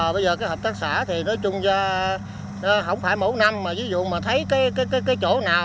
bây giờ cái hợp tác xã thì nói chung là không phải mỗi năm mà ví dụ mà thấy cái chỗ nào